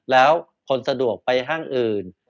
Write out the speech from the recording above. แล้วคนสะดวกไปห้างอื่น